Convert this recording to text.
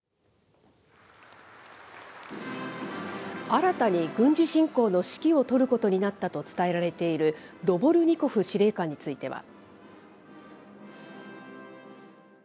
新たに軍事侵攻の指揮を執ることになったと伝えられている、ドボルニコフ司令官については。